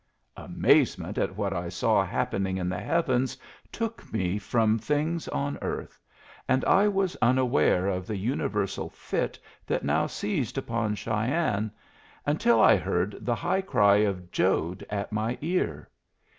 Amazement at what I saw happening in the heavens took me from things on earth, and I was unaware of the universal fit that now seized upon Cheyenne until I heard the high cry of Jode at my ear.